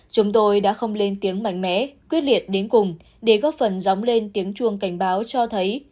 chúng tôi đã không lên tiếng mạnh mẽ quyết liệt đến cùng để góp phần dóng lên tiếng chuông cảnh báo cho thấy